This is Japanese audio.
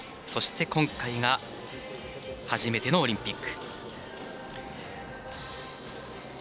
そして、今回が初めてのオリンピック。